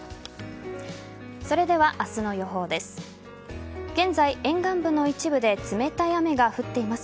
それでは、明日の予報です。